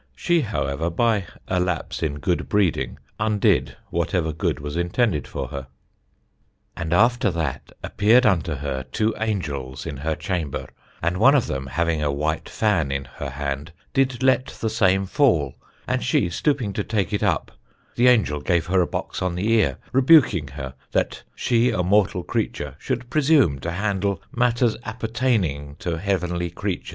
She, however, by a lapse in good breeding, undid whatever good was intended for her. "And after that appeared unto her 2 angells in her chamber, and one of them having a white fan in her hand did let the same fall; and she stooping to take it upp, the angell gave her a box on the eare, rebukinge her that she a mortall creature should presume to handle matters appertayninge to heavenlie creatures."